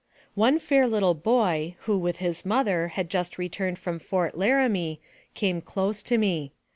One fair little boy, who, with his mother, had just returned from Fort Laramie, came close to me.